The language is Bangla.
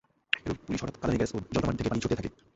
এরপর পুলিশ হঠাৎ কাঁদানে গ্যাস ও জলকামান থেকে পানি ছুড়তে থাকে।